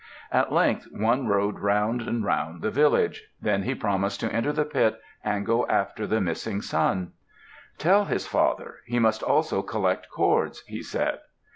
At length one rode round and round the village. Then he promised to enter the pit and go after the missing son. "Tell his father. He must also collect cords," he said.